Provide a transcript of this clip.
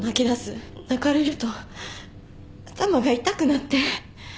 泣かれると頭が痛くなって。